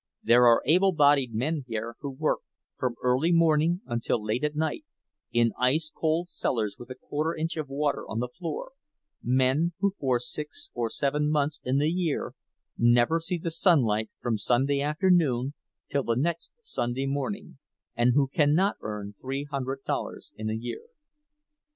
There are able bodied men here who work from early morning until late at night, in ice cold cellars with a quarter of an inch of water on the floor—men who for six or seven months in the year never see the sunlight from Sunday afternoon till the next Sunday morning—and who cannot earn three hundred dollars in a year.